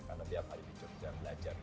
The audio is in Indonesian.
karena tiap hari di jogja belajar gitu